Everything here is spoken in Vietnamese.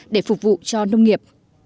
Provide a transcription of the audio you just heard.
để phục vụ cho nông nghiệp